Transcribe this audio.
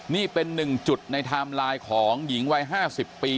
นี่เป็นหนึ่งจุดในไทม์ไลน์ของหญิงวัย๕๐ปี